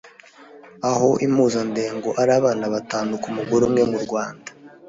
aho impuzandengo ari abana batanu ku mugore umwe mu Rwanda